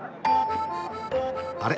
あれ？